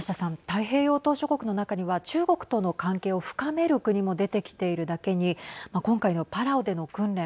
太平洋島しょ国の中には中国との関係を深める国も出てきているだけに今回のパラオでの訓練